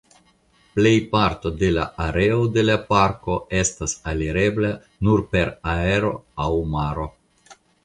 Plejparto de la areo de la parko estas alirebla nur per aero aŭ maro.